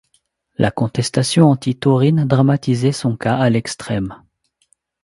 La contestation anti taurine dramatisait son cas à l'extrême.